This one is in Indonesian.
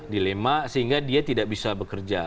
dilema sehingga dia tidak bisa bekerja